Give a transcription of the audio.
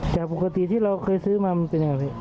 จากปกติที่เราเคยซื้อมามันเป็นยังไงพี่